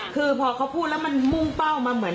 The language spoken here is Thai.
คือพอเขาพูดแล้วมันมุ่งเป้ามาเหมือน